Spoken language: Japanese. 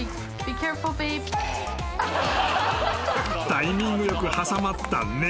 ［タイミングよく挟まった猫］